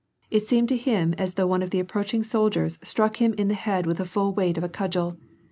It seemed to him as though one of the ap proaching soldiers struck him in the head with the full weight of a cudgel.